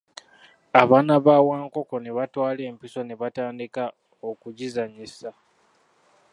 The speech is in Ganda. Abaana ba Wankoko ne batwala empiso ne batandika okugizannyisa.